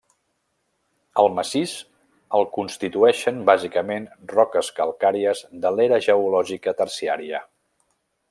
El massís el constituïxen bàsicament roques calcàries de l'era geològica terciària.